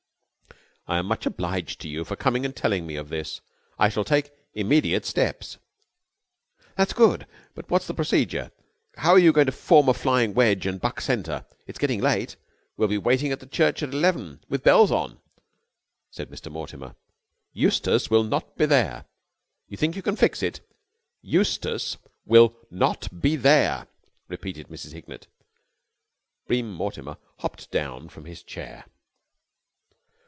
"I am much obliged to you for coming and telling me of this. I shall take immediate steps." "That's good! But what's the procedure? How are you going to form a flying wedge and buck centre? It's getting late. She'll be waiting at the church at eleven. With bells on," said Mr. Mortimer. "Eustace will not be there." "You think you can fix it?" "Eustace will not be there," repeated Mrs. Hignett. Bream Mortimer hopped down from his chair.